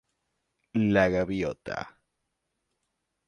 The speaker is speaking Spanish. La gaviota.